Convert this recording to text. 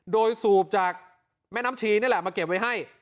โดยสูบจากแม่น้ำชีนี่แหละมาเก็บไว้ให้